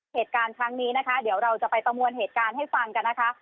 เหตุการณ์ครั้งนี้นะคะเดี๋ยวเราจะไปประมวลเหตุการณ์ให้ฟังกันนะคะ